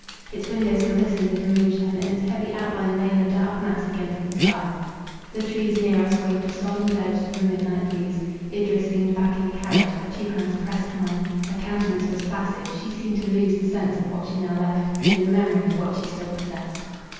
Its windows glistened in the moonshine, and its heavy outline lay in a dark mass against the sky—the trees near us waved a solemn dirge to the midnight breeze. Idris leaned back in the carriage; her two hands pressed mine, her countenance was placid, she seemed to lose the sense of what she now left, in the memory of what she still possessed.